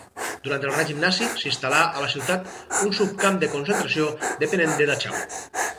Durant el règim nazi s'instal·là a la ciutat un subcamp de concentració depenent de Dachau.